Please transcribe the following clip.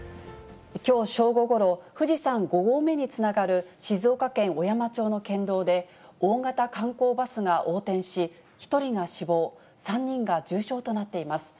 きょう正午ごろ、富士山５合目につながる静岡県小山町の県道で、大型観光バスが横転し、１人が死亡、３人が重傷となっています。